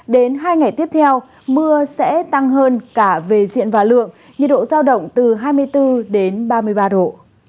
đến hai ngày tiếp theo mưa sẽ tăng hơn cả về diện và lượng nhiệt độ giao động từ hai mươi bốn đến ba mươi ba độ